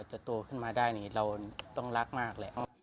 ตัวขึ้นมาได้เราต้องรักมาก